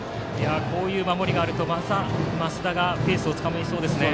こういう守りがあると、また増田がペースをつかみそうですね。